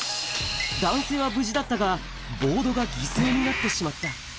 男性は無事だったが、ボードが犠牲になってしまった。